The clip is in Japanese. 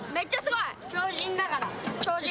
超人だから超人